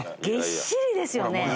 ぎっしりですよね。